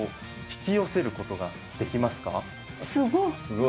すごい！